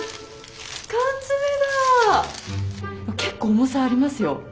結構重さありますよ。